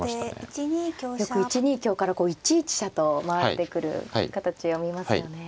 よく１二香から１一飛車と回ってくる形を見ますよね。